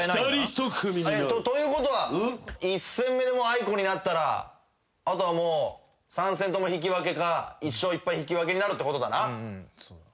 ということは１戦目でもうあいこになったらあとは３戦とも引き分けか１勝１敗引き分けになるってことだな。